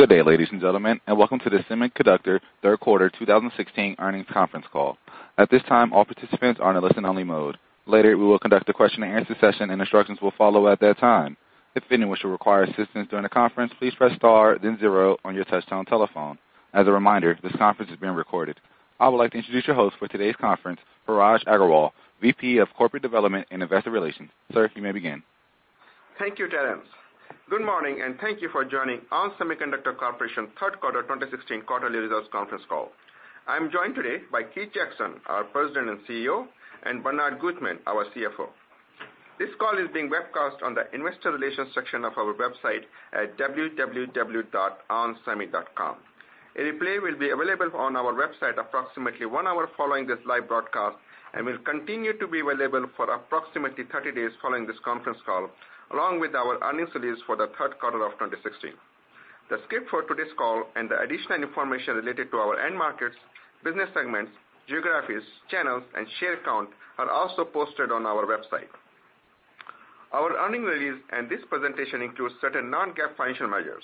Good day, ladies and gentlemen. Welcome to the Semiconductor third quarter 2016 earnings conference call. At this time, all participants are in a listen-only mode. Later we will conduct a question and answer session. Instructions will follow at that time. If anyone should require assistance during the conference, please press star then zero on your touch-tone telephone. As a reminder, this conference is being recorded. I would like to introduce your host for today's conference, Parag Agarwal, Vice President, Corporate Development and Investor Relations. Sir, you may begin. Thank you, Terrence. Good morning. Thank you for joining ON Semiconductor Corporation third quarter 2016 quarterly results conference call. I'm joined today by Keith Jackson, our President and CEO, and Bernard Gutmann, our CFO. This call is being webcast on the Investor Relations section of our website at www.onsemi.com. A replay will be available on our website approximately one hour following this live broadcast and will continue to be available for approximately 30 days following this conference call, along with our earnings release for the third quarter of 2016. The script for today's call and the additional information related to our end markets, business segments, geographies, channels, and share count are also posted on our website. Our earnings release and this presentation includes certain non-GAAP financial measures.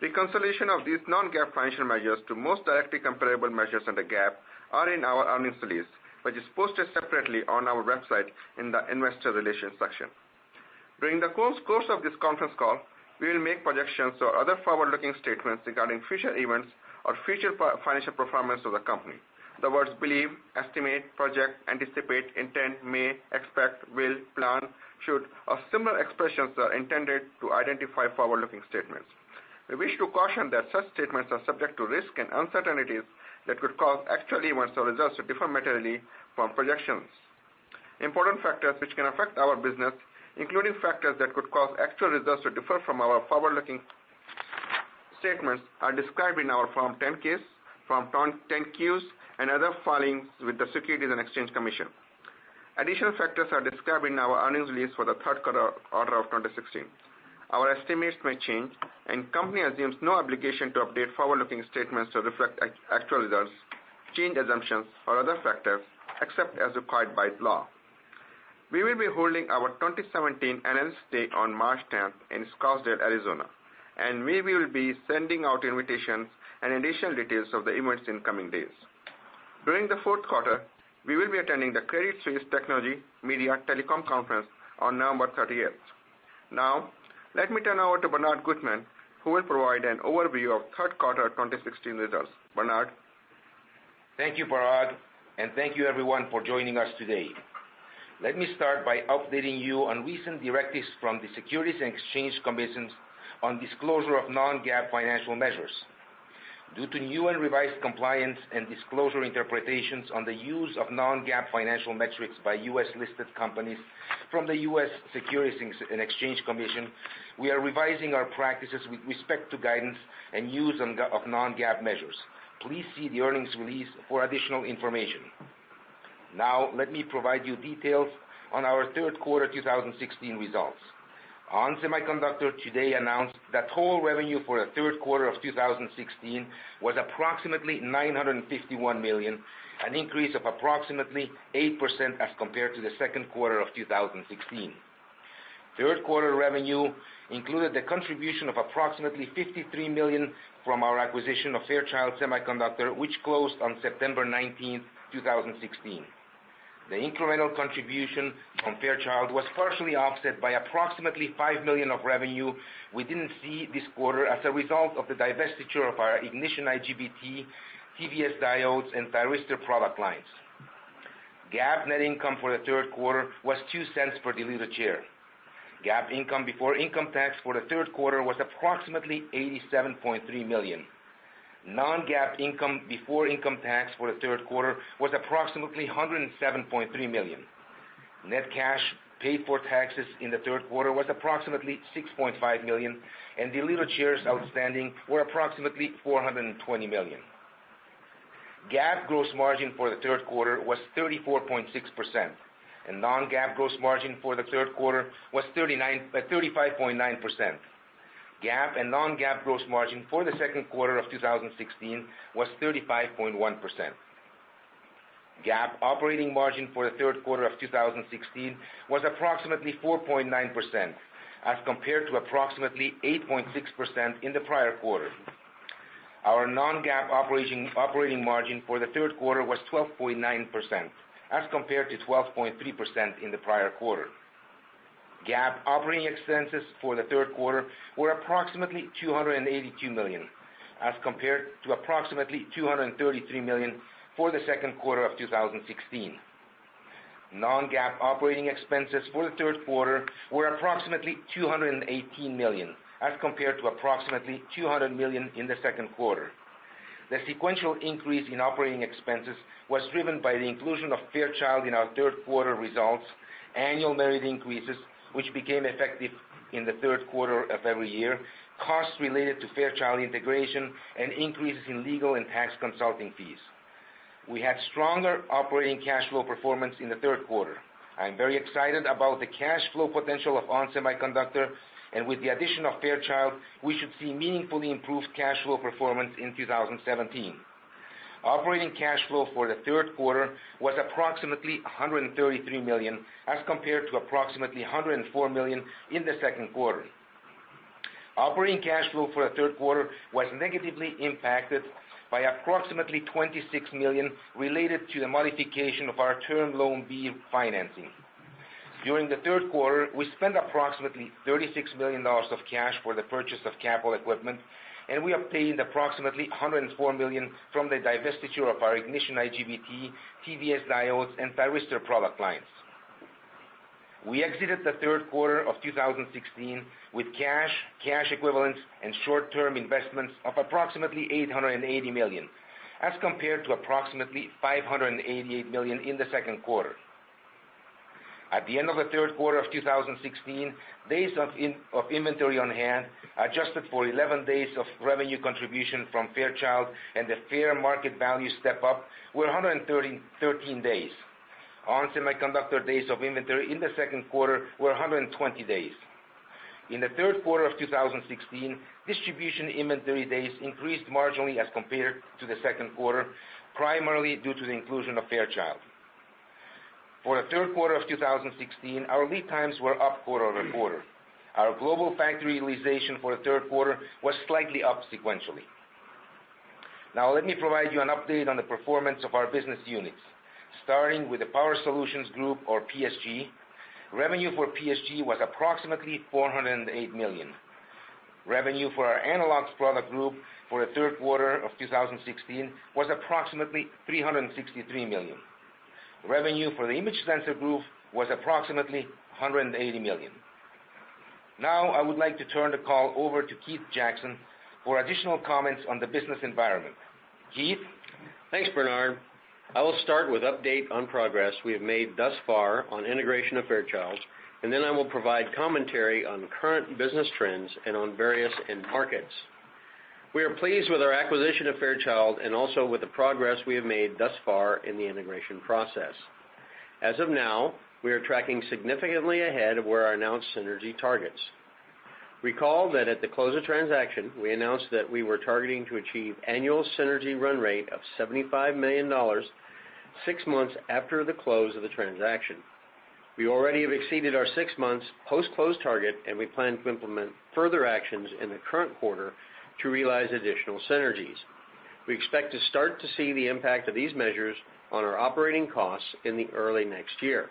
Reconciliation of these non-GAAP financial measures to most directly comparable measures under GAAP are in our earnings release, which is posted separately on our website in the Investor Relations section. During the course of this conference call, we will make projections or other forward-looking statements regarding future events or future financial performance of the company. The words believe, estimate, project, anticipate, intend, may, expect, will, plan, should, or similar expressions are intended to identify forward-looking statements. We wish to caution that such statements are subject to risks and uncertainties that could cause actual events or results to differ materially from projections. Important factors which can affect our business, including factors that could cause actual results to differ from our forward-looking statements, are described in our Form 10-Ks, Form 10-Qs, and other filings with the Securities and Exchange Commission. Additional factors are described in our earnings release for the third quarter of 2016. Our estimates may change. The company assumes no obligation to update forward-looking statements to reflect actual results, changed assumptions, or other factors, except as required by law. We will be holding our 2017 Analyst Day on March 10th in Scottsdale, Arizona. We will be sending out invitations and additional details of the event in the coming days. During the fourth quarter, we will be attending the Credit Suisse Technology, Media & Telecom Conference on November 30th. Now, let me turn over to Bernard Gutmann, who will provide an overview of third quarter 2016 results. Bernard? Thank you, Parag, and thank you everyone for joining us today. Let me start by updating you on recent directives from the Securities and Exchange Commission on disclosure of non-GAAP financial measures. Due to new and revised compliance and disclosure interpretations on the use of non-GAAP financial metrics by U.S.-listed companies from the U.S. Securities and Exchange Commission, we are revising our practices with respect to guidance and use of non-GAAP measures. Please see the earnings release for additional information. Now, let me provide you details on our third quarter 2016 results. ON Semiconductor today announced that total revenue for the third quarter of 2016 was approximately $951 million, an increase of approximately 8% as compared to the second quarter of 2016. Third quarter revenue included the contribution of approximately $53 million from our acquisition of Fairchild Semiconductor, which closed on September 19th, 2016. The incremental contribution from Fairchild was partially offset by approximately $5 million of revenue we didn't see this quarter as a result of the divestiture of our Ignition IGBT, TVS Diodes, and Thyristor product lines. GAAP net income for the third quarter was $0.02 per diluted share. GAAP income before income tax for the third quarter was approximately $87.3 million. Non-GAAP income before income tax for the third quarter was approximately $107.3 million. Net cash paid for taxes in the third quarter was approximately $6.5 million, and diluted shares outstanding were approximately 420 million. GAAP gross margin for the third quarter was 34.6%, and non-GAAP gross margin for the third quarter was 35.9%. GAAP and non-GAAP gross margin for the second quarter of 2016 was 35.1%. GAAP operating margin for the third quarter of 2016 was approximately 4.9%, as compared to approximately 8.6% in the prior quarter. Our non-GAAP operating margin for the third quarter was 12.9%, as compared to 12.3% in the prior quarter. GAAP operating expenses for the third quarter were approximately $282 million, as compared to approximately $233 million for the second quarter of 2016. Non-GAAP operating expenses for the third quarter were approximately $218 million, as compared to approximately $200 million in the second quarter. The sequential increase in operating expenses was driven by the inclusion of Fairchild in our third quarter results, annual merit increases, which became effective in the third quarter of every year, costs related to Fairchild integration, and increases in legal and tax consulting fees. We had stronger operating cash flow performance in the third quarter. I am very excited about the cash flow potential of ON Semiconductor, and with the addition of Fairchild, we should see meaningfully improved cash flow performance in 2017. Operating cash flow for the third quarter was approximately $133 million as compared to approximately $104 million in the second quarter. Operating cash flow for the third quarter was negatively impacted by approximately $26 million related to the modification of our Term Loan B financing. During the third quarter, we spent approximately $36 million of cash for the purchase of capital equipment, and we obtained approximately $104 million from the divestiture of our Ignition IGBT, TVS Diodes, and Thyristor product lines. We exited the third quarter of 2016 with cash equivalents, and short-term investments of approximately $880 million, as compared to approximately $588 million in the second quarter. At the end of the third quarter of 2016, days of inventory on hand, adjusted for 11 days of revenue contribution from Fairchild and the fair market value step-up, were 113 days. ON Semiconductor days of inventory in the second quarter were 120 days. In the third quarter of 2016, distribution inventory days increased marginally as compared to the second quarter, primarily due to the inclusion of Fairchild. For the third quarter of 2016, our lead times were up quarter-over-quarter. Our global factory utilization for the third quarter was slightly up sequentially. Let me provide you an update on the performance of our business units. Starting with the Power Solutions Group, or PSG, revenue for PSG was approximately $408 million. Revenue for our Analog Solutions Group for the third quarter of 2016 was approximately $363 million. Revenue for the Image Sensor Group was approximately $180 million. I would like to turn the call over to Keith Jackson for additional comments on the business environment. Keith? Thanks, Bernard. I will start with update on progress we have made thus far on integration of Fairchild, I will provide commentary on current business trends and on various end markets. We are pleased with our acquisition of Fairchild and also with the progress we have made thus far in the integration process. We are tracking significantly ahead of where our announced synergy targets. Recall that at the close of transaction, we announced that we were targeting to achieve annual synergy run rate of $75 million six months after the close of the transaction. We already have exceeded our six months post-close target, and we plan to implement further actions in the current quarter to realize additional synergies. We expect to start to see the impact of these measures on our operating costs in the early next year.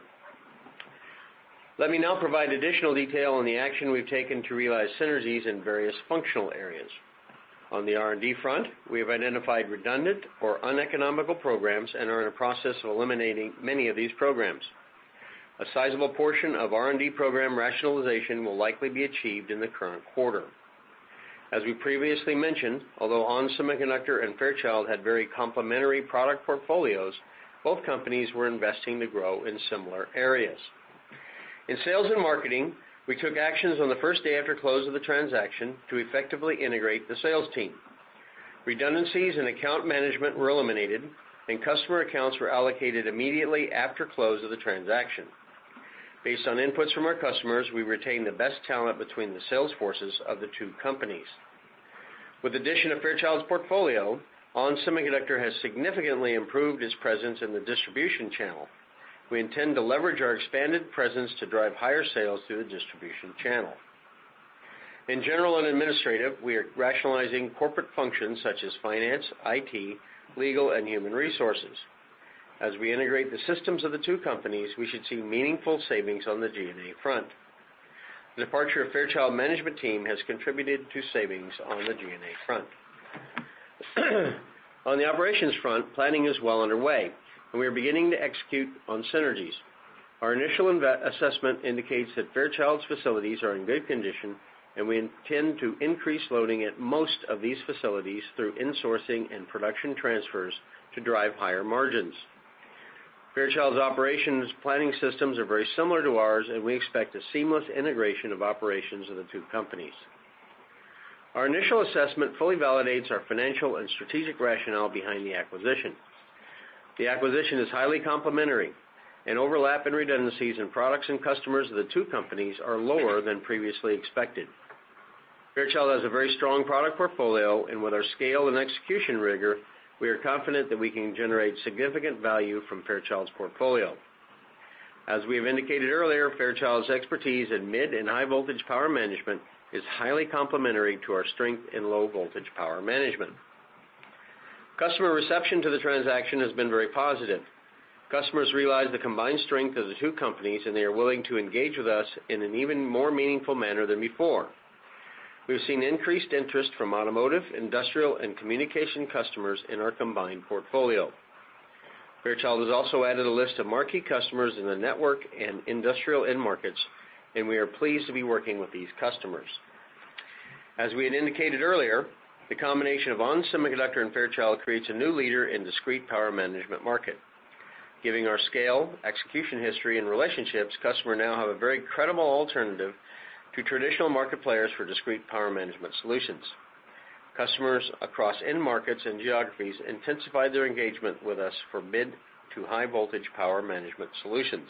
Let me provide additional detail on the action we've taken to realize synergies in various functional areas. On the R&D front, we have identified redundant or uneconomical programs and are in the process of eliminating many of these programs. A sizable portion of R&D program rationalization will likely be achieved in the current quarter. As we previously mentioned, although ON Semiconductor and Fairchild had very complementary product portfolios, both companies were investing to grow in similar areas. In sales and marketing, we took actions on the first day after close of the transaction to effectively integrate the sales team. Redundancies in account management were eliminated, and customer accounts were allocated immediately after close of the transaction. Based on inputs from our customers, we retained the best talent between the sales forces of the two companies. With the addition of Fairchild's portfolio, ON Semiconductor has significantly improved its presence in the distribution channel. We intend to leverage our expanded presence to drive higher sales through the distribution channel. In general and administrative, we are rationalizing corporate functions such as finance, IT, legal, and human resources. As we integrate the systems of the two companies, we should see meaningful savings on the G&A front. The departure of Fairchild management team has contributed to savings on the G&A front. On the operations front, planning is well underway, and we are beginning to execute on synergies. Our initial assessment indicates that Fairchild's facilities are in good condition, and we intend to increase loading at most of these facilities through insourcing and production transfers to drive higher margins. Fairchild's operations planning systems are very similar to ours, and we expect a seamless integration of operations of the two companies. Our initial assessment fully validates our financial and strategic rationale behind the acquisition. The acquisition is highly complementary, and overlap and redundancies in products and customers of the two companies are lower than previously expected. Fairchild has a very strong product portfolio, and with our scale and execution rigor, we are confident that we can generate significant value from Fairchild's portfolio. As we have indicated earlier, Fairchild's expertise in mid and high voltage power management is highly complementary to our strength in low voltage power management. Customer reception to the transaction has been very positive. Customers realize the combined strength of the two companies, and they are willing to engage with us in an even more meaningful manner than before. We've seen increased interest from automotive, industrial, and communication customers in our combined portfolio. Fairchild has also added a list of marquee customers in the network and industrial end markets, and we are pleased to be working with these customers. As we had indicated earlier, the combination of ON Semiconductor and Fairchild creates a new leader in discrete power management market. Given our scale, execution history, and relationships, customers now have a very credible alternative to traditional market players for discrete power management solutions. Customers across end markets and geographies intensify their engagement with us for mid to high voltage power management solutions.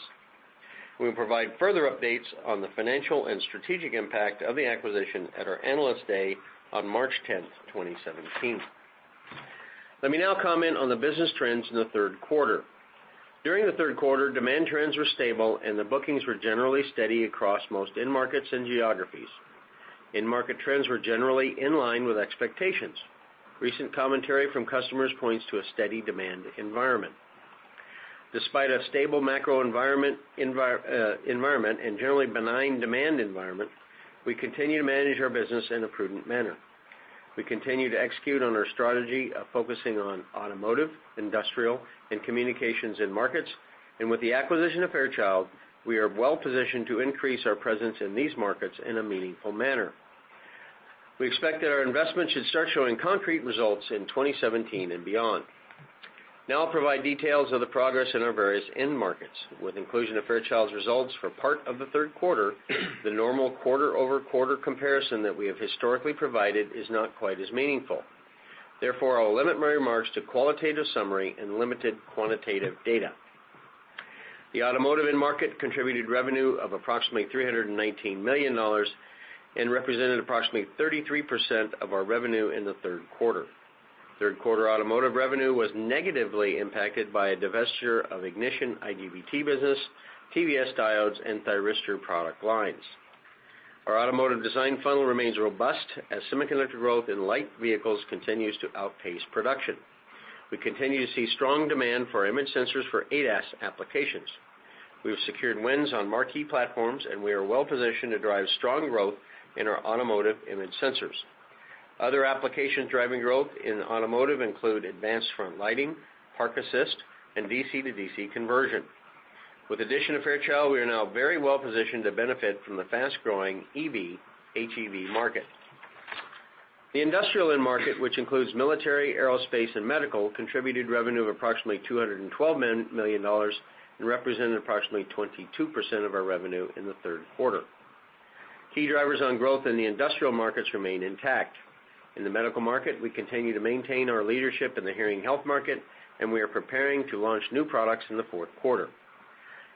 We will provide further updates on the financial and strategic impact of the acquisition at our Analyst Day on March 10th, 2017. Let me now comment on the business trends in the third quarter. During the third quarter, demand trends were stable, and the bookings were generally steady across most end markets and geographies. End market trends were generally in line with expectations. Recent commentary from customers points to a steady demand environment. Despite a stable macro environment and generally benign demand environment, we continue to manage our business in a prudent manner. We continue to execute on our strategy of focusing on automotive, industrial, and communications end markets. With the acquisition of Fairchild, we are well positioned to increase our presence in these markets in a meaningful manner. We expect that our investment should start showing concrete results in 2017 and beyond. Now I'll provide details of the progress in our various end markets. With inclusion of Fairchild's results for part of the third quarter, the normal quarter-over-quarter comparison that we have historically provided is not quite as meaningful. Therefore, I'll limit my remarks to qualitative summary and limited quantitative data. The automotive end market contributed revenue of approximately $319 million and represented approximately 33% of our revenue in the third quarter. Third-quarter automotive revenue was negatively impacted by a divestiture of Ignition IGBT business, TVS Diodes, and Thyristor product lines. Our automotive design funnel remains robust as semiconductor growth in light vehicles continues to outpace production. We continue to see strong demand for image sensors for ADAS applications. We have secured wins on marquee platforms, and we are well positioned to drive strong growth in our automotive image sensors. Other applications driving growth in automotive include advanced front lighting, park assist, and DC to DC conversion. With the addition of Fairchild, we are now very well positioned to benefit from the fast-growing EV, HEV market. The industrial end market, which includes military, aerospace, and medical, contributed revenue of approximately $212 million and represented approximately 22% of our revenue in the third quarter. Key drivers on growth in the industrial markets remain intact. In the medical market, we continue to maintain our leadership in the hearing health market, and we are preparing to launch new products in the fourth quarter.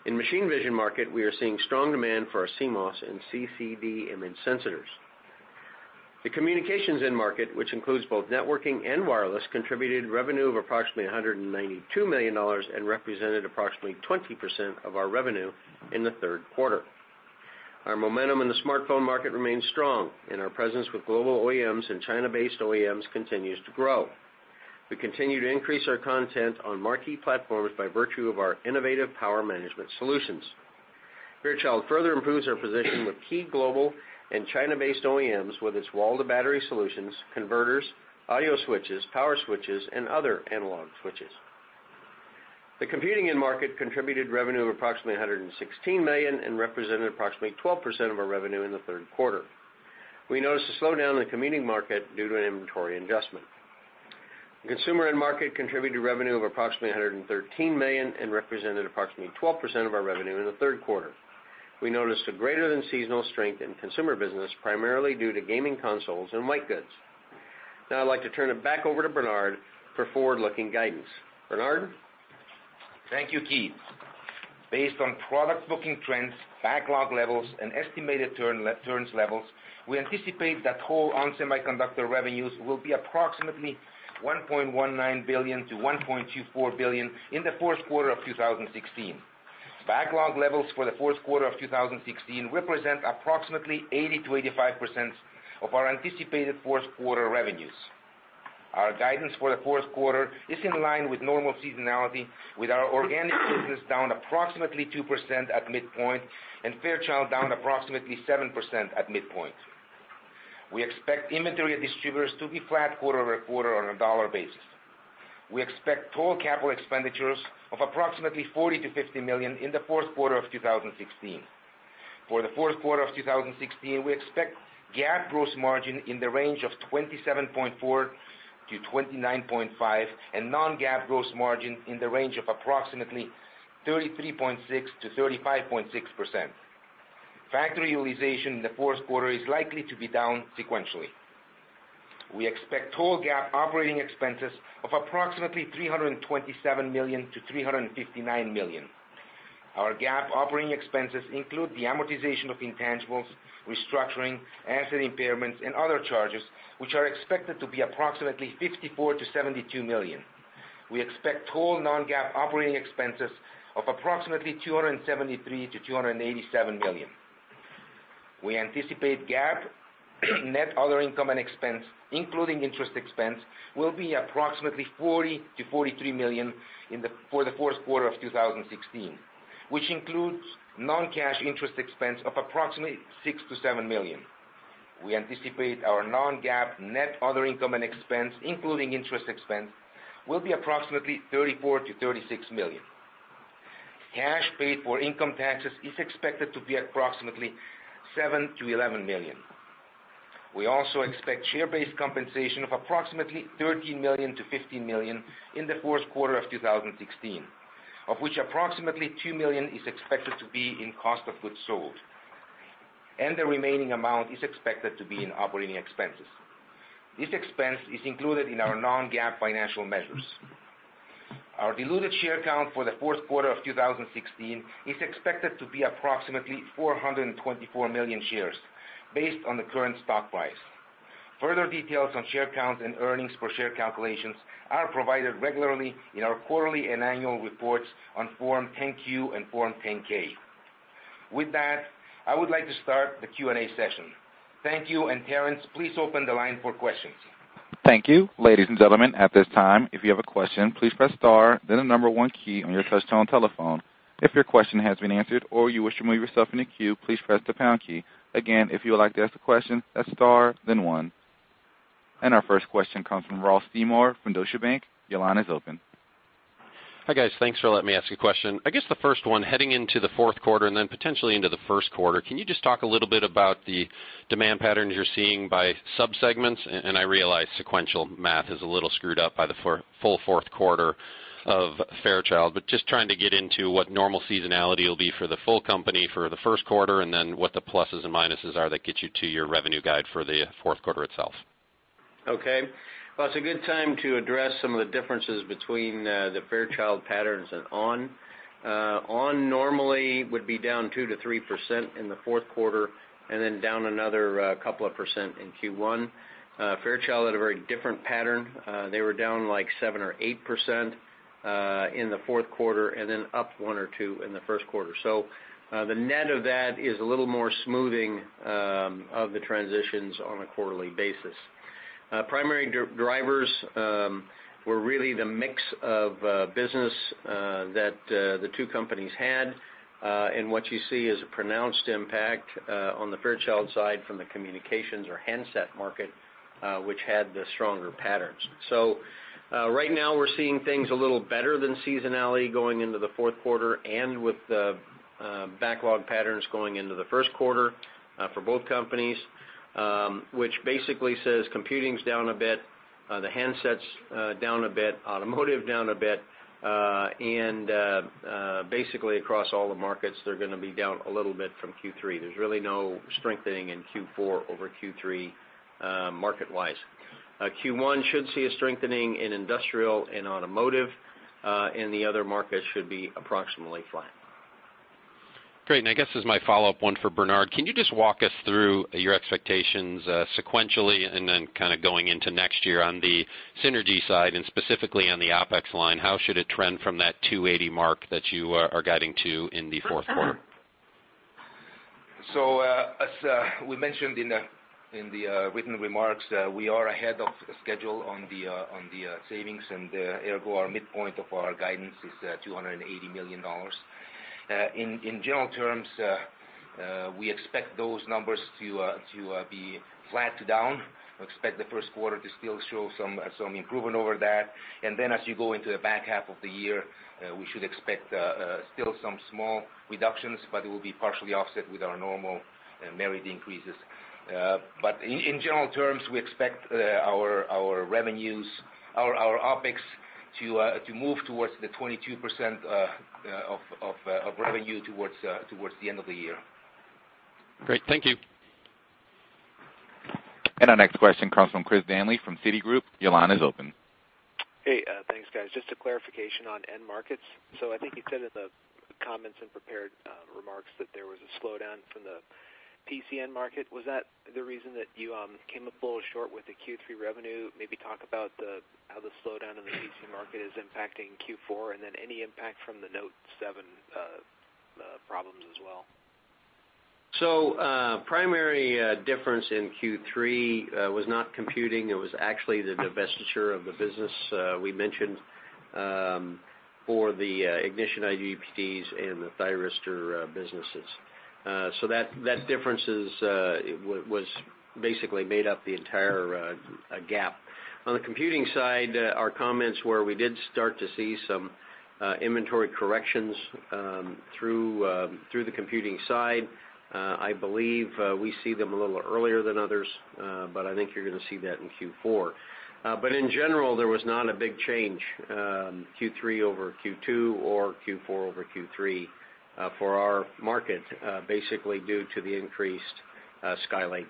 In machine vision market, we are seeing strong demand for our CMOS and CCD image sensors. The communications end market, which includes both networking and wireless, contributed revenue of approximately $192 million and represented approximately 20% of our revenue in the third quarter. Our momentum in the smartphone market remains strong, and our presence with global OEMs and China-based OEMs continues to grow. We continue to increase our content on marquee platforms by virtue of our innovative power management solutions. Fairchild further improves our position with key global and China-based OEMs with its wall-to-battery solutions, converters, audio switches, power switches, and other analog switches. The computing end market contributed revenue of approximately $116 million and represented approximately 12% of our revenue in the third quarter. We noticed a slowdown in the computing market due to an inventory adjustment. The consumer end market contributed revenue of approximately $113 million and represented approximately 12% of our revenue in the third quarter. We noticed a greater than seasonal strength in consumer business, primarily due to gaming consoles and white goods. I'd like to turn it back over to Bernard for forward-looking guidance. Bernard? Thank you, Keith. Based on product booking trends, backlog levels, and estimated turns levels, we anticipate that whole ON Semiconductor revenues will be approximately $1.19 billion-$1.24 billion in the fourth quarter of 2016. Backlog levels for the fourth quarter of 2016 represent approximately 80%-85% of our anticipated fourth quarter revenues. Our guidance for the fourth quarter is in line with normal seasonality, with our organic business down approximately 2% at midpoint and Fairchild down approximately 7% at midpoint. We expect inventory distributors to be flat quarter-over-quarter on a dollar basis. We expect total capital expenditures of approximately $40 million-$50 million in the fourth quarter of 2016. For the fourth quarter of 2016, we expect GAAP gross margin in the range of 27.4%-29.5% and non-GAAP gross margin in the range of approximately 33.6%-35.6%. Factory utilization in the fourth quarter is likely to be down sequentially. We expect total GAAP operating expenses of approximately $327 million-$359 million. Our GAAP operating expenses include the amortization of intangibles, restructuring, asset impairments, and other charges, which are expected to be approximately $54 million-$72 million. We expect total non-GAAP operating expenses of approximately $273 million-$287 million. We anticipate GAAP net other income and expense, including interest expense, will be approximately $40 million-$43 million for the fourth quarter of 2016, which includes non-cash interest expense of approximately $6 million-$7 million. We anticipate our non-GAAP net other income and expense, including interest expense, will be approximately $34 million-$36 million. Cash paid for income taxes is expected to be approximately $7 million-$11 million. We also expect share-based compensation of approximately $13 million-$15 million in the fourth quarter of 2016, of which approximately $2 million is expected to be in cost of goods sold. The remaining amount is expected to be in operating expenses. This expense is included in our non-GAAP financial measures. Our diluted share count for the fourth quarter of 2016 is expected to be approximately 424 million shares based on the current stock price. Further details on share counts and earnings per share calculations are provided regularly in our quarterly and annual reports on Form 10-Q and Form 10-K. With that, I would like to start the Q&A session. Thank you, Terrence, please open the line for questions. Thank you. Ladies and gentlemen, at this time, if you have a question, please press star then the number 1 key on your touchtone telephone. If your question has been answered or you wish to move yourself in the queue, please press the pound key. Again, if you would like to ask a question, press star, then one. Our first question comes from Ross Seymore from Deutsche Bank. Your line is open. Hi, guys. Thanks for letting me ask a question. I guess the first one, heading into the fourth quarter, then potentially into the first quarter, can you just talk a little bit about the demand patterns you're seeing by subsegments? I realize sequential math is a little screwed up by the full fourth quarter of Fairchild, but just trying to get into what normal seasonality will be for the full company for the first quarter, then what the pluses and minuses are that get you to your revenue guide for the fourth quarter itself. Okay. Well, it's a good time to address some of the differences between the Fairchild patterns and ON. ON normally would be down 2%-3% in the fourth quarter, then down another couple of percent in Q1. Fairchild had a very different pattern. They were down like 7% or 8% in the fourth quarter, then up 1% or 2% in the first quarter. The net of that is a little more smoothing of the transitions on a quarterly basis. Primary drivers were really the mix of business that the two companies had. What you see is a pronounced impact on the Fairchild side from the communications or handset market, which had the stronger patterns. Right now, we're seeing things a little better than seasonality going into the fourth quarter and with the backlog patterns going into the first quarter for both companies, which basically says computing's down a bit, the handsets down a bit, automotive down a bit, and basically across all the markets, they're going to be down a little bit from Q3. There's really no strengthening in Q4 over Q3 market-wise. Q1 should see a strengthening in industrial and automotive, and the other markets should be approximately flat. Great. I guess as my follow-up, one for Bernard, can you just walk us through your expectations sequentially and then kind of going into next year on the synergy side, and specifically on the OpEx line? How should it trend from that $280 million mark that you are guiding to in the fourth quarter? As we mentioned in the written remarks, we are ahead of schedule on the savings and ergo our midpoint of our guidance is $280 million. In general terms, we expect those numbers to be flat to down. We expect the first quarter to still show some improvement over that. As you go into the back half of the year, we should expect still some small reductions, it will be partially offset with our normal merit increases. In general terms, we expect our OpEx to move towards the 22% of revenue towards the end of the year. Great. Thank you. Our next question comes from Chris Danely from Citigroup. Your line is open. Hey, thanks, guys. Just a clarification on end markets. I think you said in the comments and prepared remarks that there was a slowdown from the PC market. Was that the reason that you came up a little short with the Q3 revenue? Maybe talk about how the slowdown in the PC market is impacting Q4, then any impact from the Galaxy Note7 problems as well. Primary difference in Q3 was not computing. It was actually the divestiture of the business we mentioned for the ignition IGBTs and the thyristor businesses. That difference basically made up the entire gap. On the computing side, our comments were we did start to see some inventory corrections through the computing side. I believe we see them a little earlier than others, but I think you're going to see that in Q4. In general, there was not a big change Q3 over Q2 or Q4 over Q3 for our market, basically due to the increased Skylake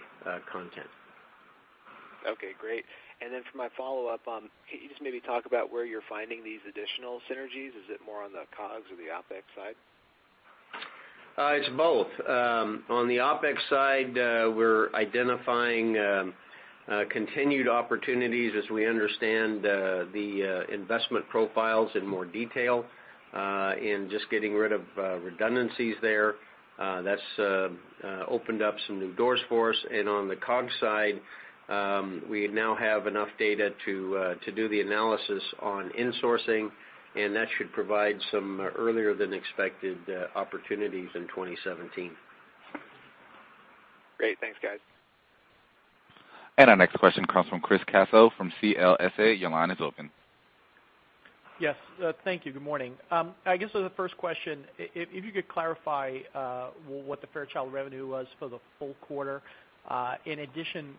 content. Okay, great. Then for my follow-up, can you just maybe talk about where you're finding these additional synergies? Is it more on the COGS or the OpEx side? It's both. On the OpEx side, we're identifying continued opportunities as we understand the investment profiles in more detail, and just getting rid of redundancies there. That's opened up some new doors for us. On the COGS side, we now have enough data to do the analysis on insourcing, and that should provide some earlier than expected opportunities in 2017. Great. Thanks, guys. Our next question comes from Chris Caso from CLSA. Your line is open. Yes. Thank you. Good morning. I guess as a first question, if you could clarify what the Fairchild revenue was for the full quarter. In addition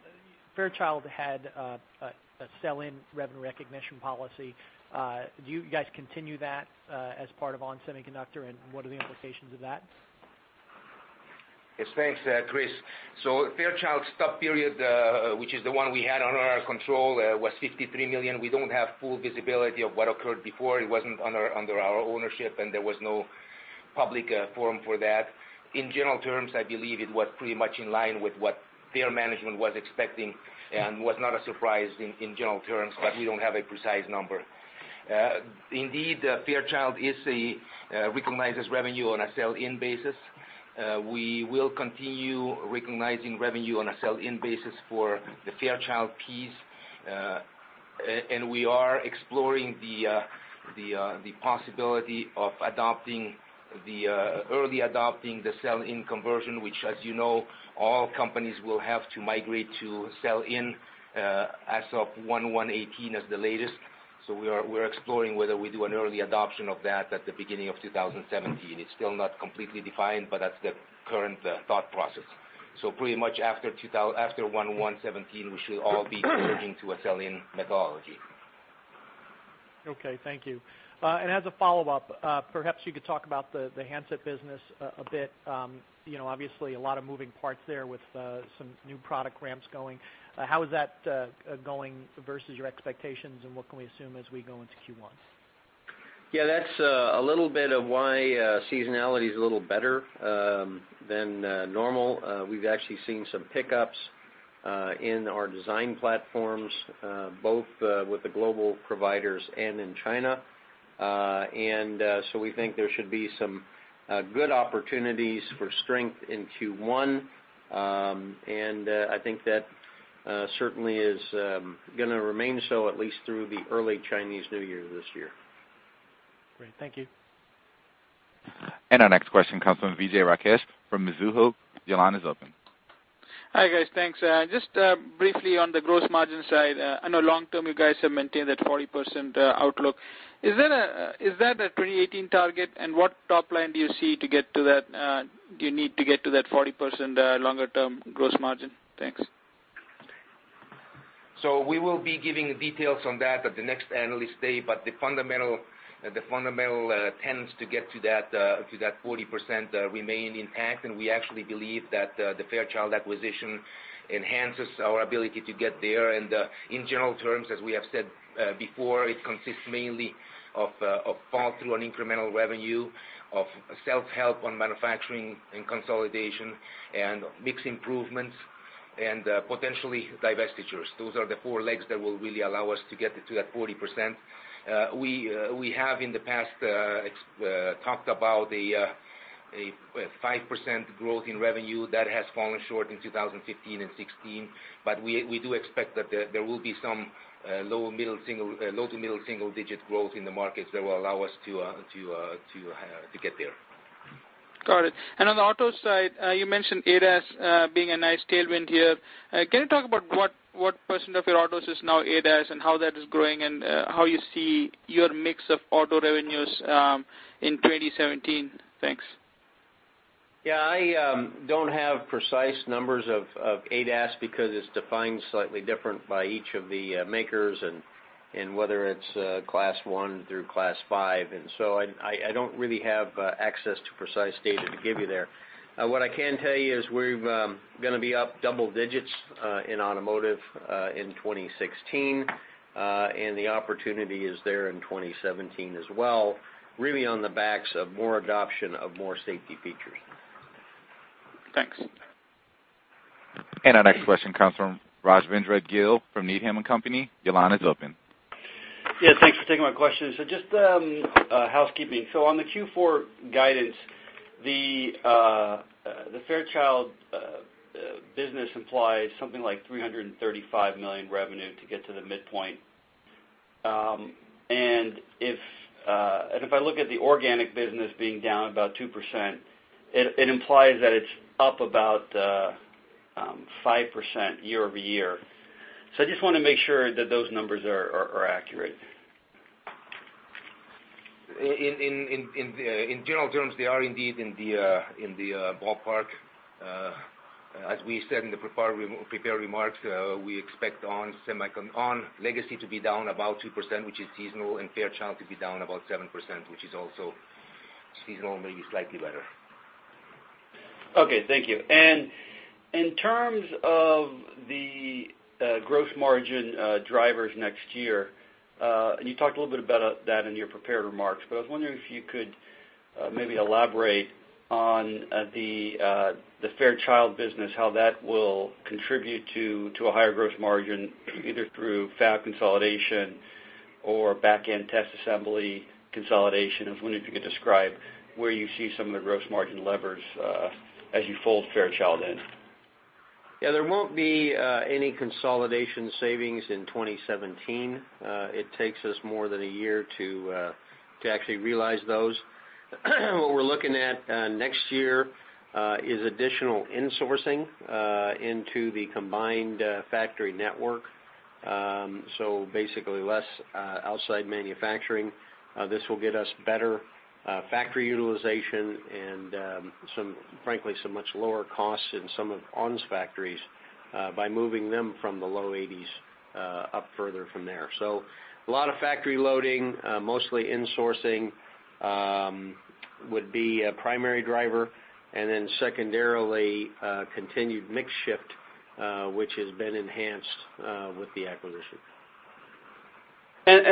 Fairchild had a sell-in revenue recognition policy. Do you guys continue that as part of ON Semiconductor? What are the implications of that? Yes, thanks, Chris. Fairchild's stub period, which is the one we had under our control, was $53 million. We don't have full visibility of what occurred before. It wasn't under our ownership, and there was no public forum for that. In general terms, I believe it was pretty much in line with what their management was expecting and was not a surprise in general terms, but we don't have a precise number. Indeed, Fairchild recognizes revenue on a sell-in basis. We will continue recognizing revenue on a sell-in basis for the Fairchild piece. We are exploring the possibility of early adopting the sell-in conversion, which, as you know, all companies will have to migrate to sell-in as of January 1, 2018 as the latest. We're exploring whether we do an early adoption of that at the beginning of 2017. It's still not completely defined, but that's the current thought process. Pretty much after January 1, 2017, we should all be converting to a sell-in methodology. Okay, thank you. As a follow-up, perhaps you could talk about the handset business a bit. Obviously, a lot of moving parts there with some new product ramps going. How is that going versus your expectations, and what can we assume as we go into Q1? Yeah, that's a little bit of why seasonality is a little better than normal. We've actually seen some pickups in our design platforms, both with the global providers and in China. We think there should be some good opportunities for strength in Q1. I think that certainly is gonna remain so at least through the early Chinese New Year this year. Great. Thank you. Our next question comes from Vijay Rakesh from Mizuho. Your line is open. Hi, guys. Thanks. Just briefly on the gross margin side, I know long term, you guys have maintained that 40% outlook. Is that a 2018 target? What top line do you see you need to get to that 40% longer-term gross margin? Thanks. We will be giving details on that at the next Analyst Day, but the fundamental tends to get to that 40% remain intact, and we actually believe that the Fairchild acquisition enhances our ability to get there. In general terms, as we have said before, it consists mainly of fall through on incremental revenue, of self-help on manufacturing and consolidation, and mix improvements, and potentially divestitures. Those are the four legs that will really allow us to get to that 40%. We have in the past talked about a 5% growth in revenue that has fallen short in 2015 and 2016, but we do expect that there will be some low to middle single-digit growth in the markets that will allow us to get there. Got it. On the auto side, you mentioned ADAS being a nice tailwind here. Can you talk about what % of your autos is now ADAS and how that is growing and how you see your mix of auto revenues in 2017? Thanks. Yeah. I don't have precise numbers of ADAS because it's defined slightly different by each of the makers and whether it's Class 1 through Class 5. I don't really have access to precise data to give you there. What I can tell you is we're gonna be up double digits in automotive in 2016, the opportunity is there in 2017 as well, really on the backs of more adoption of more safety features. Thanks. Our next question comes from Rajvindra Gill from Needham & Company. Your line is open. Yeah, thanks for taking my question. Just housekeeping. On the Q4 guidance, the Fairchild business implies something like $335 million revenue to get to the midpoint. If I look at the organic business being down about 2%, it implies that it's up about 5% year-over-year. I just want to make sure that those numbers are accurate. In general terms, they are indeed in the ballpark. As we said in the prepared remarks, we expect ON legacy to be down about 2%, which is seasonal, and Fairchild to be down about 7%, which is also seasonally slightly better. Okay, thank you. In terms of the gross margin drivers next year, you talked a little bit about that in your prepared remarks, but I was wondering if you could maybe elaborate on the Fairchild business, how that will contribute to a higher gross margin, either through fab consolidation or back-end test assembly consolidation. I was wondering if you could describe where you see some of the gross margin levers as you fold Fairchild in. Yeah, there won't be any consolidation savings in 2017. It takes us more than a year to actually realize those. What we're looking at next year is additional insourcing into the combined factory network basically less outside manufacturing. This will get us better factory utilization and, frankly, some much lower costs in some of ON's factories by moving them from the low 80s up further from there. A lot of factory loading, mostly insourcing, would be a primary driver. Then secondarily, continued mix shift, which has been enhanced with the acquisition.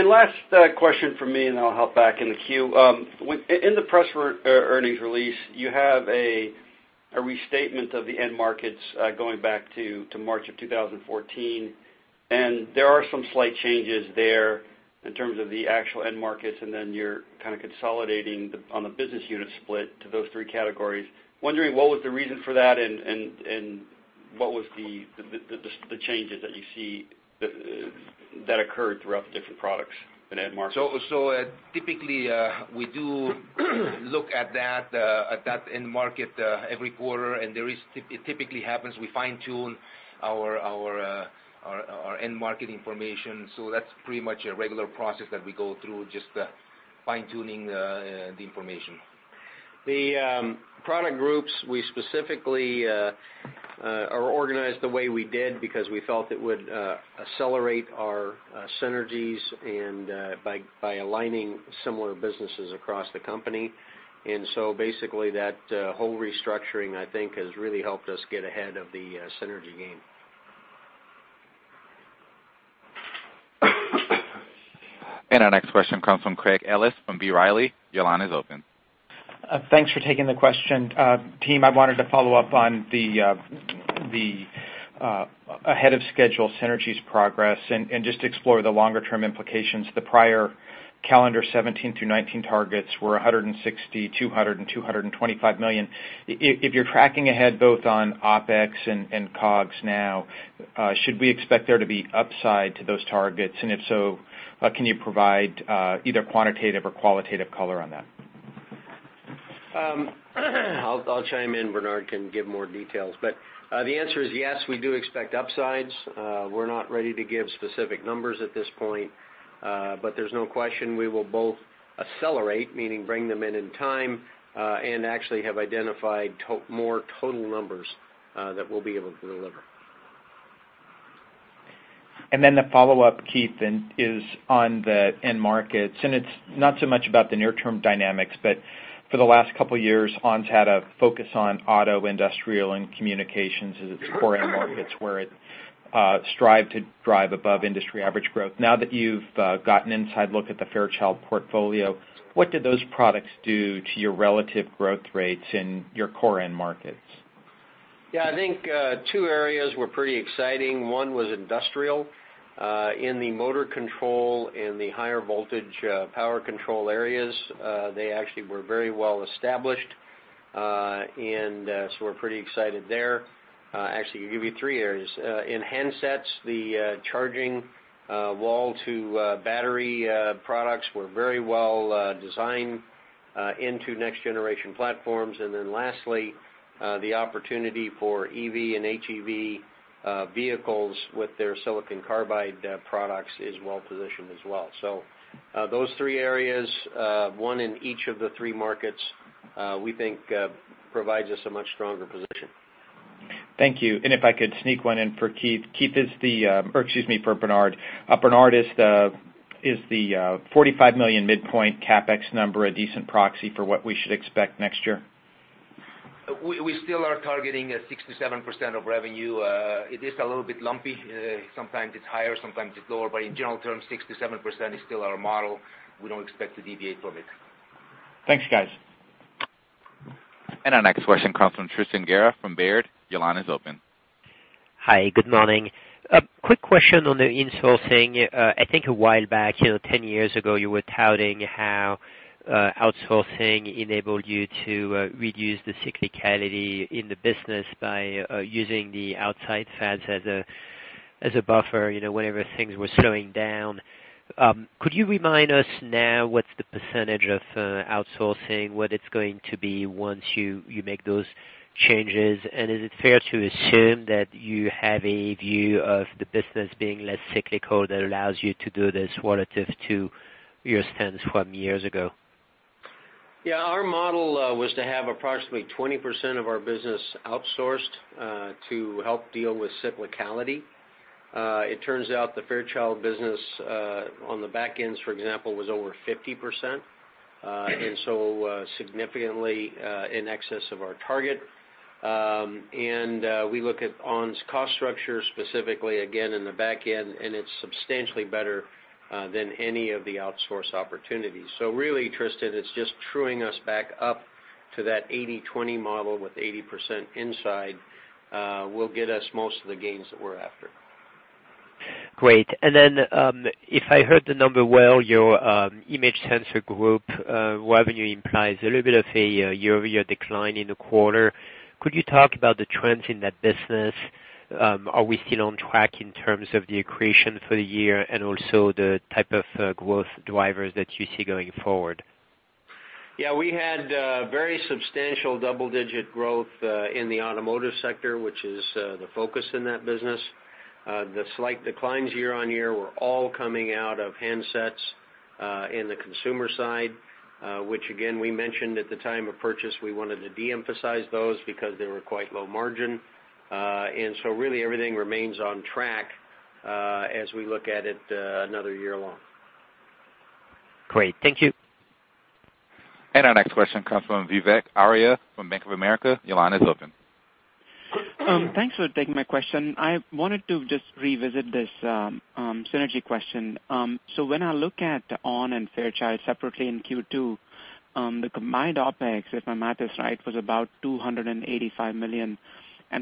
Last question from me, I'll hop back in the queue. In the press earnings release, you have a restatement of the end markets going back to March of 2014. There are some slight changes there in terms of the actual end markets, then you're kind of consolidating on the business unit split to those three categories. Wondering what was the reason for that and what was the changes that you see that occurred throughout the different products in end markets? Typically, we do look at that end market every quarter, we fine-tune our end market information. That's pretty much a regular process that we go through, just fine-tuning the information. The product groups we specifically are organized the way we did because we felt it would accelerate our synergies by aligning similar businesses across the company. Basically that whole restructuring, I think, has really helped us get ahead of the synergy game. Our next question comes from Craig Ellis from B. Riley. Your line is open. Thanks for taking the question. Team, I wanted to follow up on the ahead of schedule synergies progress and just explore the longer-term implications. The prior calendar 2017 through 2019 targets were $160 million, $200 million, and $225 million. If you're tracking ahead both on OpEx and COGS now, should we expect there to be upside to those targets? If so, can you provide either quantitative or qualitative color on that? I'll chime in. Bernard can give more details. The answer is yes. We do expect upsides. We're not ready to give specific numbers at this point. There's no question we will both accelerate, meaning bring them in in time, and actually have identified more total numbers that we'll be able to deliver. The follow-up, Keith, is on the end markets, and it's not so much about the near-term dynamics, but for the last couple of years, ON's had a focus on auto, industrial, and communications as its core end markets where it strived to drive above industry average growth. Now that you've got an inside look at the Fairchild portfolio, what do those products do to your relative growth rates in your core end markets? I think two areas were pretty exciting. One was industrial. In the motor control, in the higher voltage power control areas, they actually were very well established, and so we're pretty excited there. Actually, I'll give you three areas. In handsets, the charging wall to battery products were very well designed into next generation platforms. Lastly, the opportunity for EV and HEV vehicles with their silicon carbide products is well-positioned as well. Those three areas, one in each of the three markets, we think provides us a much stronger position. Thank you. If I could sneak one in for Keith. For Bernard. Bernard, is the $45 million midpoint CapEx number a decent proxy for what we should expect next year? We still are targeting 6%-7% of revenue. It is a little bit lumpy. Sometimes it's higher, sometimes it's lower. In general terms, 6%-7% is still our model. We don't expect to deviate from it. Thanks, guys. Our next question comes from Tristan Gerra from Baird. Your line is open. Hi, good morning. A quick question on the insourcing. I think a while back, 10 years ago, you were touting how outsourcing enabled you to reduce the cyclicality in the business by using the outside fabs as a buffer whenever things were slowing down. Could you remind us now what's the percentage of outsourcing, what it's going to be once you make those changes? Is it fair to assume that you have a view of the business being less cyclical that allows you to do this relative to your stance from years ago? Our model was to have approximately 20% of our business outsourced to help deal with cyclicality. It turns out the Fairchild business on the back ends, for example, was over 50%, significantly in excess of our target. We look at ON's cost structure specifically again in the back end, it's substantially better than any of the outsource opportunities. Really, Tristan, it's just truing us back up to that 80/20 model with 80% inside will get us most of the gains that we're after. Great. If I heard the number well, your Image Sensor Group revenue implies a little bit of a year-over-year decline in the quarter. Could you talk about the trends in that business? Are we still on track in terms of the accretion for the year and also the type of growth drivers that you see going forward? We had very substantial double-digit growth in the automotive sector, which is the focus in that business. The slight declines year-over-year were all coming out of handsets in the consumer side which, again, we mentioned at the time of purchase, we wanted to de-emphasize those because they were quite low margin. Really everything remains on track as we look at it another year along. Great. Thank you. Our next question comes from Vivek Arya from Bank of America. Your line is open. Thanks for taking my question. I wanted to just revisit this synergy question. When I look at ON and Fairchild separately in Q2, the combined OpEx, if my math is right, was about $285 million.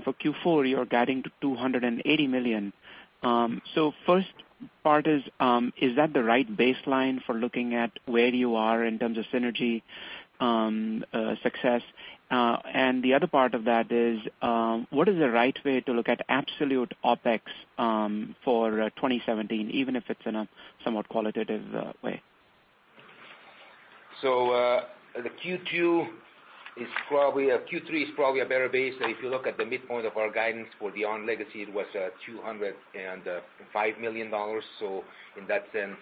For Q4, you're guiding to $280 million. First part is that the right baseline for looking at where you are in terms of synergy success? The other part of that is, what is the right way to look at absolute OpEx for 2017, even if it's in a somewhat qualitative way? The Q2 is probably Q3 is probably a better base. If you look at the midpoint of our guidance for the ON legacy, it was at $205 million. In that sense,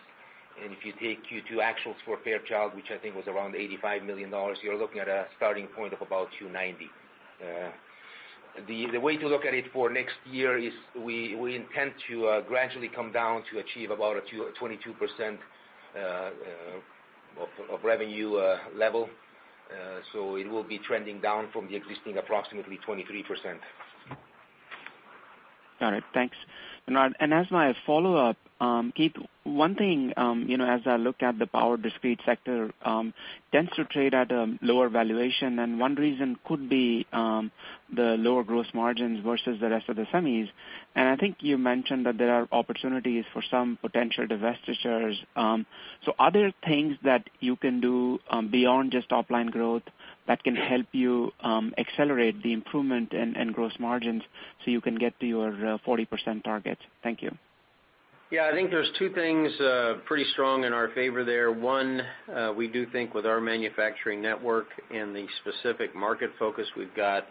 if you take Q2 actuals for Fairchild, which I think was around $85 million, you're looking at a starting point of about $290 million. The way to look at it for next year is we intend to gradually come down to achieve about a 22% of revenue level. It will be trending down from the existing approximately 23%. Got it. Thanks. As my follow-up, Keith, one thing as I look at the power discrete sector tends to trade at a lower valuation, and one reason could be the lower gross margins versus the rest of the semis. I think you mentioned that there are opportunities for some potential divestitures. Are there things that you can do beyond just top-line growth that can help you accelerate the improvement and gross margins so you can get to your 40% target? Thank you. Yeah, I think there's two things pretty strong in our favor there. One, we do think with our manufacturing network and the specific market focus we've got,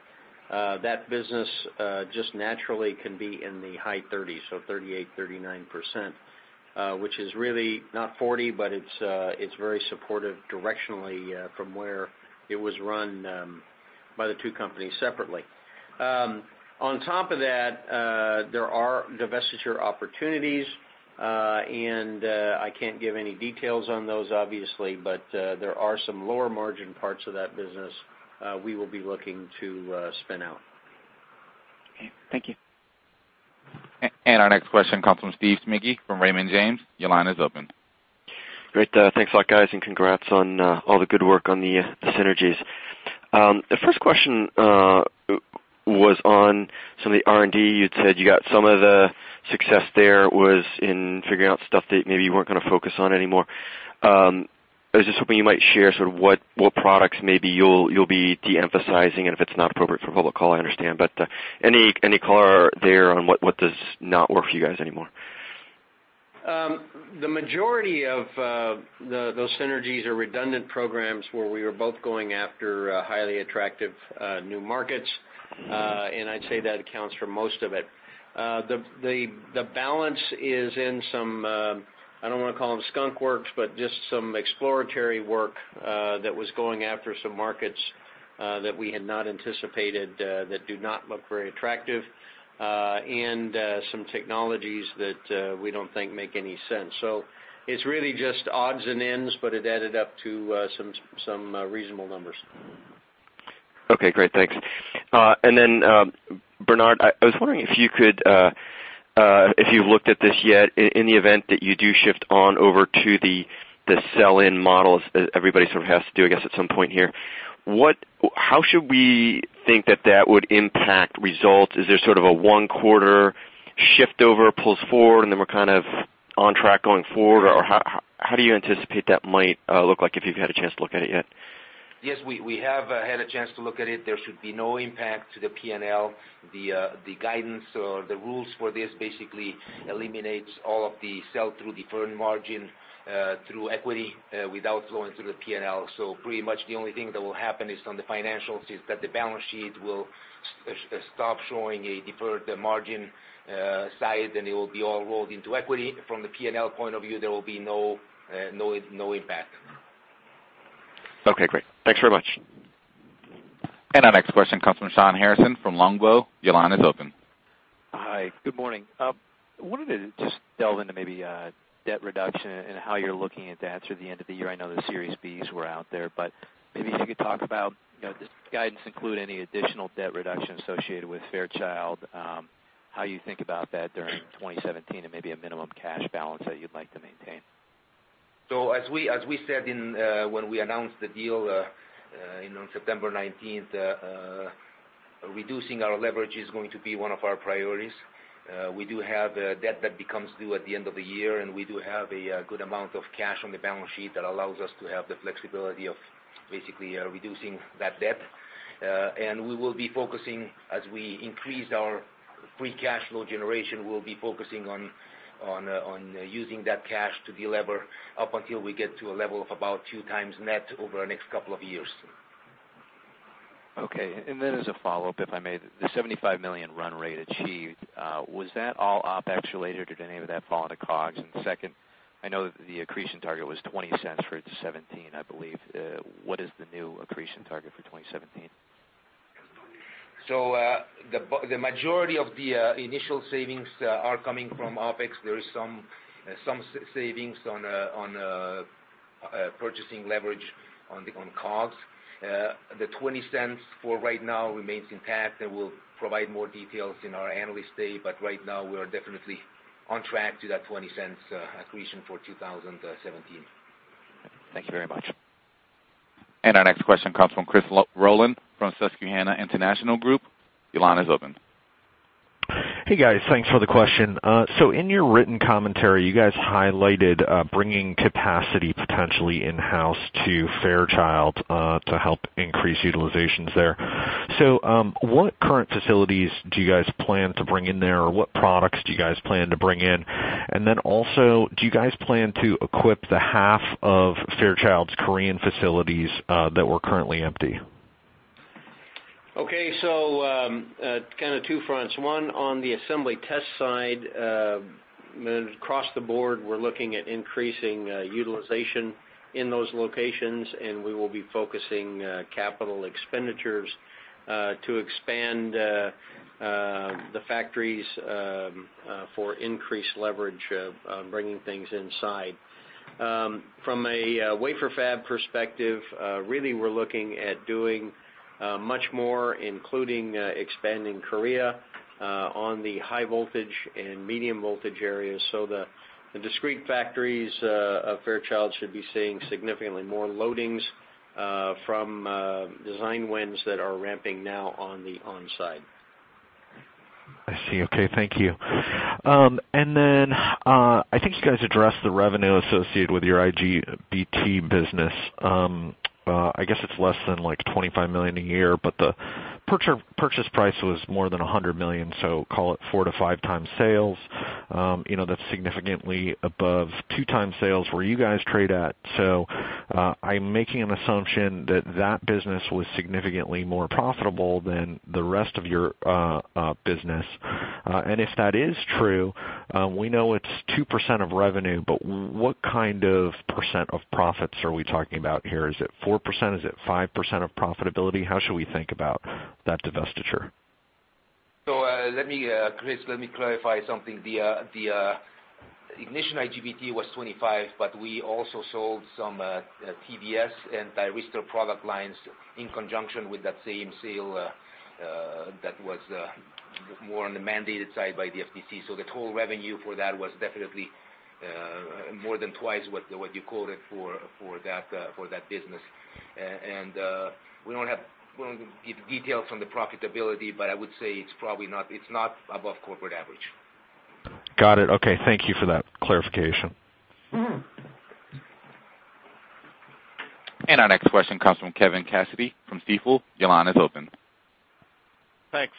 that business just naturally can be in the high 30, so 38%, 39%, which is really not 40, but it's very supportive directionally from where it was run by the two companies separately. On top of that, there are divestiture opportunities. I can't give any details on those, obviously, but there are some lower-margin parts of that business we will be looking to spin out. Okay. Thank you. Our next question comes from Steve McGeach from Raymond James. Your line is open. Great. Thanks a lot, guys. Congrats on all the good work on the synergies. The first question was on some of the R&D. You'd said you got some of the success there was in figuring out stuff that maybe you weren't going to focus on anymore. I was just hoping you might share sort of what products maybe you'll be de-emphasizing. If it's not appropriate for a public call, I understand, but any color there on what does not work for you guys anymore? The majority of those synergies are redundant programs where we were both going after highly attractive new markets. I'd say that accounts for most of it. The balance is in some, I don't want to call them skunk works, but just some exploratory work that was going after some markets that we had not anticipated that do not look very attractive and some technologies that we don't think make any sense. It's really just odds and ends, but it added up to some reasonable numbers. Okay, great. Thanks. Then Bernard, I was wondering if you've looked at this yet. In the event that you do shift ON over to the sell-in models, as everybody sort of has to do, I guess, at some point here, how should we think that that would impact results? Is there sort of a one-quarter shift over, pulls forward, and then we're kind of on track going forward? Or how do you anticipate that might look like, if you've had a chance to look at it yet? Yes, we have had a chance to look at it. There should be no impact to the P&L. The guidance or the rules for this basically eliminates all of the sell-through deferred margin through equity without flowing through the P&L. Pretty much the only thing that will happen is on the financials is that the balance sheet will stop showing a deferred margin side, and it will be all rolled into equity. From the P&L point of view, there will be no impact. Okay, great. Thanks very much. Our next question comes from Shawn Harrison from Longbow Research. Your line is open. Hi, good morning. I wanted to just delve into maybe debt reduction and how you're looking at that through the end of the year. I know the Series Bs were out there, but maybe if you could talk about does this guidance include any additional debt reduction associated with Fairchild, how you think about that during 2017 and maybe a minimum cash balance that you'd like to maintain? As we said when we announced the deal on September 19th, reducing our leverage is going to be one of our priorities. We do have debt that becomes due at the end of the year, and we do have a good amount of cash on the balance sheet that allows us to have the flexibility of basically reducing that debt. We will be focusing as we increase our Free Cash Flow generation, we'll be focusing on using that cash to delever up until we get to a level of about two times net over the next couple of years. Okay. As a follow-up, if I may, the $75 million run rate achieved, was that all OpEx related or did any of that fall into COGS? Second, I know that the accretion target was $0.20 for 2017, I believe. What is the new accretion target for 2017? The majority of the initial savings are coming from OpEx. There is some savings on purchasing leverage on COGS. The $0.20 for right now remains intact, and we'll provide more details in our analyst day. Right now, we are definitely on track to that $0.20 accretion for 2017. Thank you very much. Our next question comes from Christopher Rolland from Susquehanna International Group. Your line is open. Hey, guys. Thanks for the question. In your written commentary, you guys highlighted bringing capacity potentially in-house to Fairchild to help increase utilizations there. What current facilities do you guys plan to bring in there, or what products do you guys plan to bring in? Also, do you guys plan to equip the half of Fairchild's Korean facilities that were currently empty? Okay. Kind of two fronts. One, on the assembly test side, across the board, we're looking at increasing utilization in those locations, and we will be focusing capital expenditures to expand the factories for increased leverage on bringing things inside. From a wafer fab perspective, really, we're looking at doing much more, including expanding Korea on the high voltage and medium voltage areas. The discrete factories of Fairchild should be seeing significantly more loadings from design wins that are ramping now on the ON side. I see. Okay. Thank you. I think you guys addressed the revenue associated with your IGBT business. I guess it's less than $25 million a year, but the purchase price was more than $100 million, call it four to five times sales. That's significantly above two times sales where you guys trade at. I'm making an assumption that that business was significantly more profitable than the rest of your business. If that is true, we know it's 2% of revenue, but what kind of percent of profits are we talking about here? Is it 4%? Is it 5% of profitability? How should we think about that divestiture? Chris, let me clarify something. The Ignition IGBT was $25 million, but we also sold some TVS and Thyristor product lines in conjunction with that same sale that was more on the mandated side by the FTC. The total revenue for that was definitely more than twice what you quoted for that business. We won't give details on the profitability, but I would say it's not above corporate average. Got it. Okay. Thank you for that clarification. Our next question comes from Kevin Cassidy from Stifel. Your line is open. Thanks.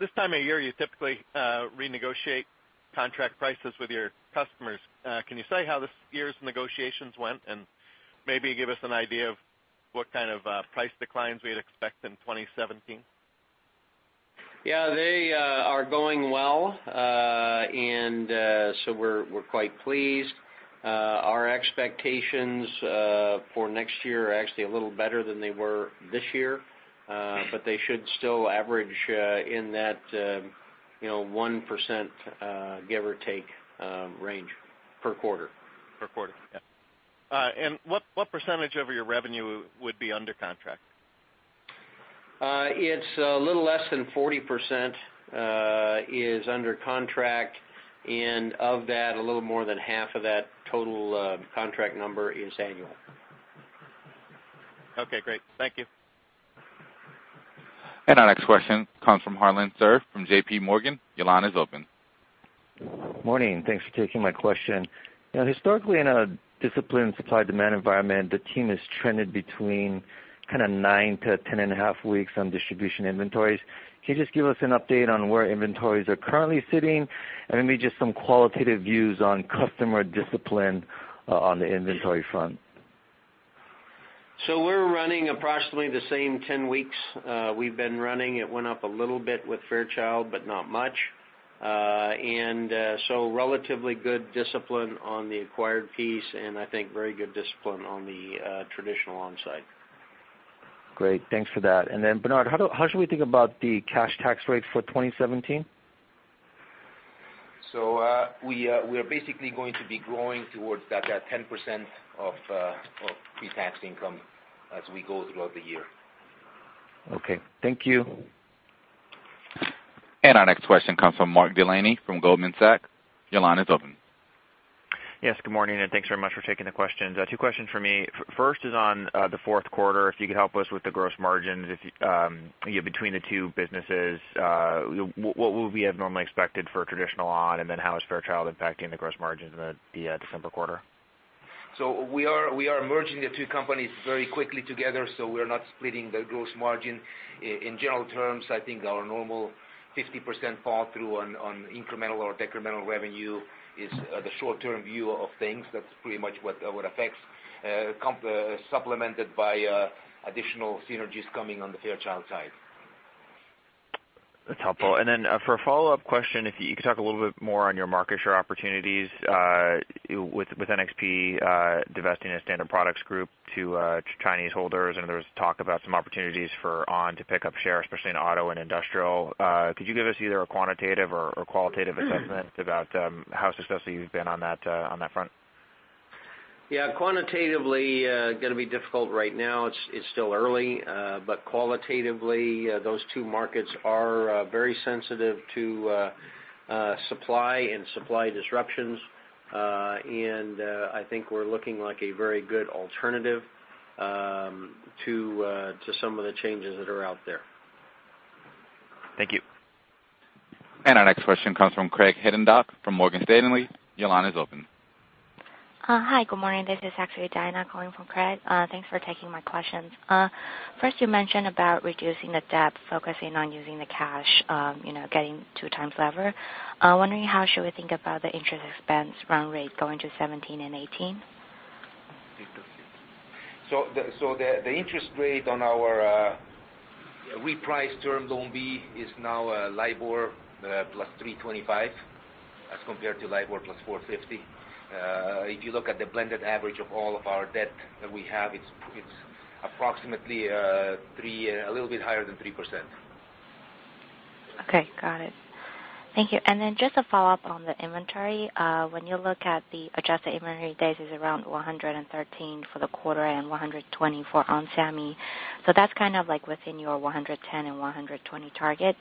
This time of year, you typically renegotiate contract prices with your customers. Can you say how this year's negotiations went, and maybe give us an idea of what kind of price declines we'd expect in 2017? Yeah, they are going well, we're quite pleased. Our expectations for next year are actually a little better than they were this year, they should still average in that 1%, give or take, range per quarter. Per quarter. Yeah. What percentage of your revenue would be under contract? It's a little less than 40% is under contract, of that, a little more than half of that total contract number is annual. Okay, great. Thank you. Our next question comes from Harlan Sur from J.P. Morgan. Your line is open. Morning. Thanks for taking my question. Historically, in a disciplined supply-demand environment, the team has trended between kind of nine to 10.5 weeks on distribution inventories. Can you just give us an update on where inventories are currently sitting, and maybe just some qualitative views on customer discipline on the inventory front? We're running approximately the same 10 weeks we've been running. It went up a little bit with Fairchild, but not much. Relatively good discipline on the acquired piece, and I think very good discipline on the traditional ON side. Great. Thanks for that. Bernard, how should we think about the cash tax rate for 2017? We are basically going to be growing towards that 10% of pre-tax income as we go throughout the year. Okay. Thank you. Our next question comes from Mark Delaney from Goldman Sachs. Your line is open. Yes, good morning, and thanks very much for taking the questions. Two questions for me. First is on the fourth quarter, if you could help us with the gross margins between the two businesses, what would we have normally expected for traditional ON, and then how is Fairchild impacting the gross margins in the December quarter? We are merging the two companies very quickly together, so we're not splitting the gross margin. In general terms, I think our normal 50% fall through on incremental or decremental revenue is the short-term view of things. That's pretty much what affects, supplemented by additional synergies coming on the Fairchild side. That's helpful. For a follow-up question, if you could talk a little bit more on your market share opportunities, with NXP divesting a standard products group to Chinese holders, there was talk about some opportunities for ON to pick up shares, especially in auto and industrial. Could you give us either a quantitative or qualitative assessment about how successful you've been on that front? Yeah. Quantitatively, gonna be difficult right now. It's still early. Qualitatively, those two markets are very sensitive to supply and supply disruptions. I think we're looking like a very good alternative to some of the changes that are out there. Thank you. Our next question comes from Craig Hettenbach from Morgan Stanley. Your line is open. Hi, good morning. This is actually Diana calling from Craig. Thanks for taking my questions. You mentioned about reducing the debt, focusing on using the cash, getting 2 times lever. I'm wondering how should we think about the interest expense run rate going to 2017 and 2018? The interest rate on our repriced Term Loan B is now LIBOR plus 325 as compared to LIBOR plus 450. If you look at the blended average of all of our debt that we have, it's approximately a little bit higher than 3%. Okay, got it. Thank you. Just a follow-up on the inventory. When you look at the adjusted inventory days is around 113 for the quarter and 120 for ON Semi. That's kind of within your 110 and 120 targets.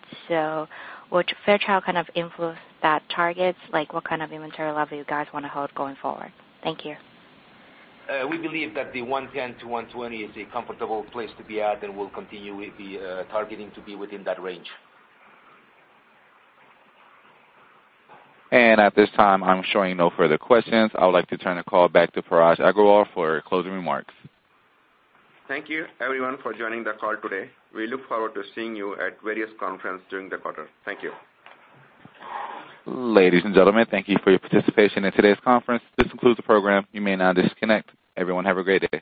Would Fairchild kind of influence that target? What kind of inventory level you guys want to hold going forward? Thank you. We believe that the 110-120 is a comfortable place to be at, and we'll continue with the targeting to be within that range. At this time, I am showing no further questions. I would like to turn the call back to Parag Agarwal for closing remarks. Thank you everyone for joining the call today. We look forward to seeing you at various conference during the quarter. Thank you. Ladies and gentlemen, thank you for your participation in today's conference. This concludes the program. You may now disconnect. Everyone have a great day.